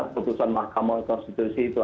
putusan makamah konstitusi itu